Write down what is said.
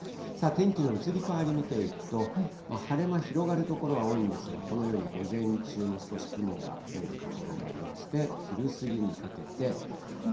天気の移り変わり、見ていくと、晴れ間、広がる所は多いんですが、このように午前中も少し雲が出る所がありまして、昼過ぎにかけて。